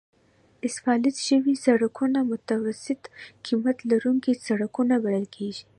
اسفالت شوي سړکونه متوسط قیمت لرونکي سړکونه بلل کیږي